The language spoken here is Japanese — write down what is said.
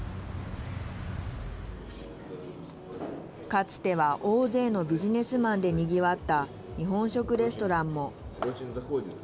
かつては大勢のビジネスマンでにぎわった日本食レストランも。